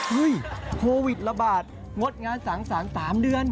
เฮ้ยโควิดระบาดงดงานสางสาร๓เดือน